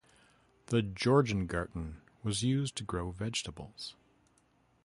The Georgengarten was used to grow vegetables.